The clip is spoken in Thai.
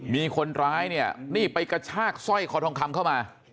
มีคนร้ายเนี่ยนี่ไปกระชากสร้อยคอทองคำเข้ามา